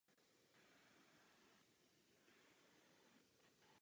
Dnes můžeme svou politiku v této oblasti dále rozvíjet.